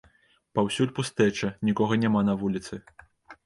Паўсюль пустэча, нікога няма на вуліцы.